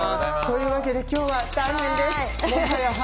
というわけで今日は大変です。